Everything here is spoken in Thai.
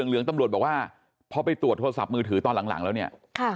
เพราะฉะนั้นตำรวจบอกว่าเพราะไปตรวจโทรศัพท์มือถือตอนหลังแล้วเนี่ย